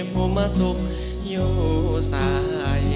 หน้าเสื้อนเนาะว่าเอาสิมาเพราะว่าการคนต่างว่าจะกลาน